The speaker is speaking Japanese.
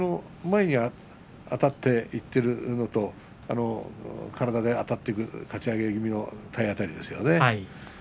前にあたっていっているのと体であたっていくかち上げ気味の体当たりですよね。